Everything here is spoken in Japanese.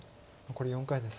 残り４回です。